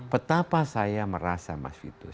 betapa saya merasa mas vito